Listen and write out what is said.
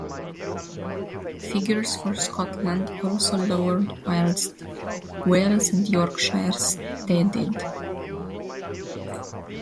Figures for Scotland also lowered whilst Wales and Yorkshire steadied.